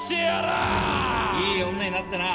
いい女になったな。